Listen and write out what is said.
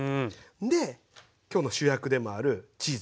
で今日の主役でもあるチーズ。